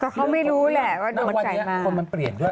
ก็เขาไม่รู้แหละว่าเดี๋ยวมันจ่ายมา